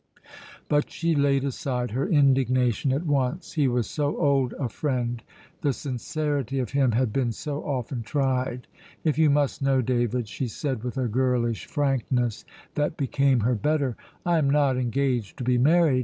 But she laid aside her indignation at once; he was so old a friend, the sincerity of him had been so often tried. "If you must know, David," she said, with a girlish frankness that became her better, "I am not engaged to be married.